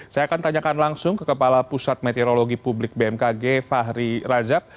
saya akan tanyakan langsung ke kepala pusat meteorologi publik bmkg fahri rajab